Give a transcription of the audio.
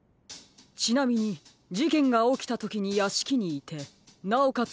ちなみにじけんがおきたときにやしきにいてなおかつ